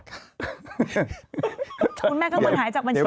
คุณแม่ก็มันหายจากบัญชีหรอ